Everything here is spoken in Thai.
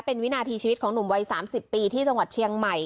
เป็นวินาทีชีวิตของหนุ่มวัย๓๐ปีที่จังหวัดเชียงใหม่